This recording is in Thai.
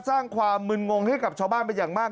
สร้างความมึนงงให้กับชาวบ้านเป็นอย่างมาก